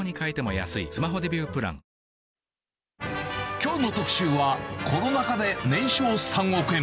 きょうの特集は、コロナ禍で年商３億円。